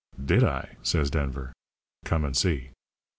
"'Did I?' says Denver. 'Come and see.'